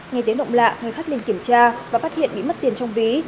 ngày tiến động lạ người khách lên kiểm tra và phát hiện bị mất tiền trong ví